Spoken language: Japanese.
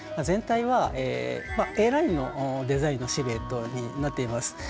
全体はＡラインのデザインのシルエットになっています。